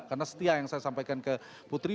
karena setia yang saya sampaikan ke putri